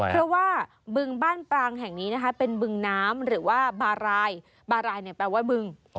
เพราะว่าบึงบ้านปรางแห่งนี้นะคะเป็นบึงน้ำหรือว่าบารายบารายเนี่ยแปลว่าบึง